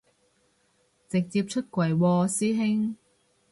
直接出櫃喎師兄